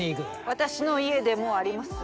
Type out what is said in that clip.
私の家でもあります。